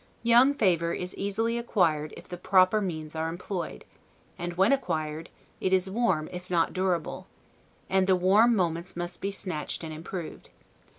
Young favor is easily acquired if the proper means are employed; and, when acquired, it is warm, if not durable; and the warm moments must be snatched and improved.